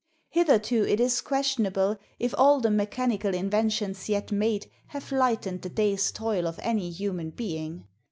Hitherto it is questionable if all the mechanical inventions yet made have lightened the day's toil of any human being.